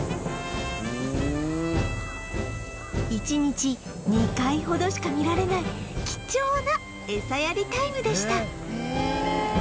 １日２回ほどしか見られない貴重なエサやりタイムでした